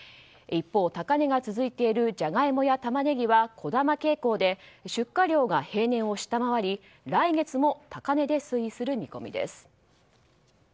一方、高値が続いているジャガイモやタマネギは小玉傾向で出荷量が平年を下回り来月も高値で推移する見込みです。